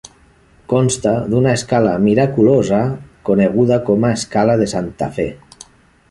Consta d'una escala miraculosa coneguda com a escala de Santa Fe.